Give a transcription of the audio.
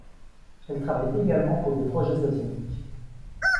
Elle travaille également pour des projets asiatiques.